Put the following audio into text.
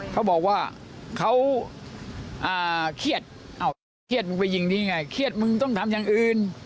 เขาบอกว่าเขาเครียดอ้าวเครียดมึงไปยิงนี่ไงเครียดมึงต้องทำอย่างอื่น